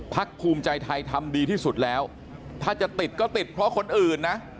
ภูมิใจไทยทำดีที่สุดแล้วถ้าจะติดก็ติดเพราะคนอื่นนะ